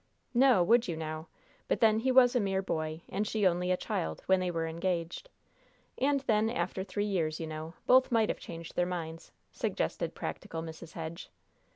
"No would you, now? But then he was a mere boy, and she only a child, when they were engaged; and then after three years, you know, both might have changed their minds," suggested practical Mrs. Hedge.